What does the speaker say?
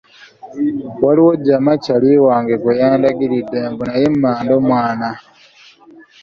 Waliwo jjama kyali wange gwe yandagiridde mbu naye mmando mwana.